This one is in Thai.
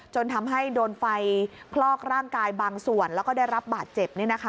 จนทำให้โดนไฟคลอกร่างกายบางส่วนแล้วก็ได้รับบาดเจ็บ